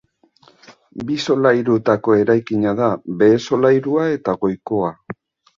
Bi solairutako eraikina da, behe solairua eta goikoa.